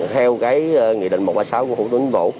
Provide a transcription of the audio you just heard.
theo cái nghị định một trăm ba mươi sáu của hội tuyến vụ